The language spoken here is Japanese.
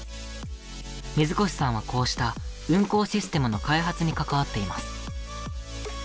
水越さんはこうした運行システムの開発に関わっています。